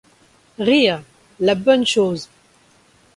Rire, la bonne chose !